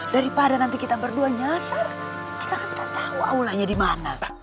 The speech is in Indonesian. daripada nanti kita berdua nyasar kita kan gak tahu aulanya di mana